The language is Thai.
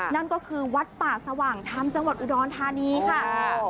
นั่นก็คือวัดป่าสว่างธรรมจังหวัดอุดรธานีค่ะ